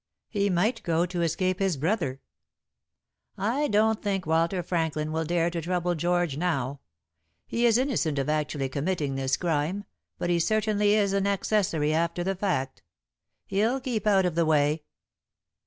"He might go to escape his brother." "I don't think Walter Franklin will dare to trouble George now. He is innocent of actually committing this crime, but he certainly is an accessory after the fact. He'll keep out of the way."